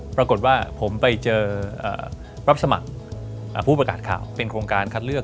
ปรากฏว่าผมไปเจอรับสมัครผู้ประกาศข่าวเป็นโครงการคัดเลือก